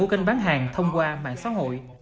của kênh bán hàng thông qua mạng xã hội